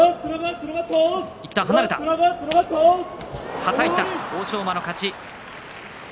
はたいた、欧勝馬の勝ち。